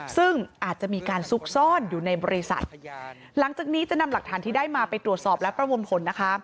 ซึ่งอาจจะมีการซุกซ่อนอยู่ในบริษัทหลังจากนี้จะนำหลักฐานที่ได้มาไปตรวจสอบและประมวลผลนะคะ